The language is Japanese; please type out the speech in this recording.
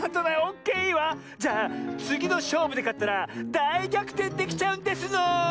じゃあつぎのしょうぶでかったらだいぎゃくてんできちゃうんですの。